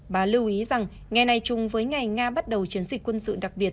bà lưu ý rằng ngày này chung với ngày nga bắt đầu chiến dịch quân sự đặc biệt